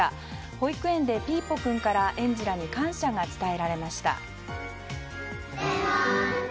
保育園でピーポくんから園児らに感謝が伝えられました。